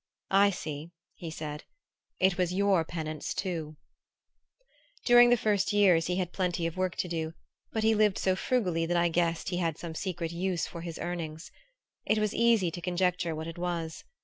"I see," he said; "it was your penance too." During the first years he had plenty of work to do, but he lived so frugally that I guessed he had some secret use for his earnings. It was easy to conjecture what it was.